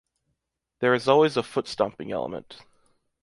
There is always a "foot stomping" element.